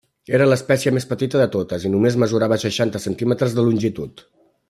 Era l'espècie més petita de totes i només mesurava seixanta centímetres de longitud.